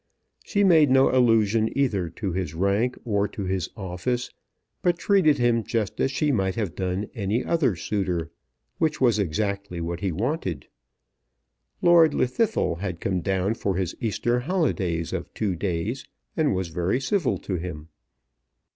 She made no allusion either to his rank or to his office, but treated him just as she might have done any other suitor, which was exactly what he wanted. Lord Llwddythlw had come down for his Easter holidays of two days, and was very civil to him.